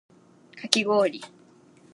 かきごおり